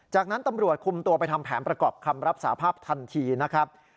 จากนั้นตำรวจคุมตัวไปทำแผนประกอบคำรับสาภาพทันทีนะครับ